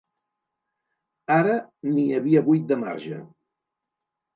Ara n’hi havia vuit de marge.